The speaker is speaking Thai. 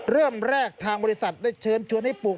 เริ่มแรกทางบริษัทได้เชิญชวนให้ปลูก